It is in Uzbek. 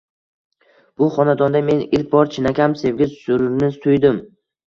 Bu xonadonda men ilk bor chinakam sevgi sururini tuydim